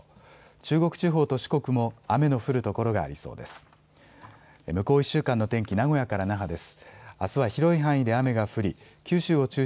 中国地方と四国も雨の降る所がありそうです。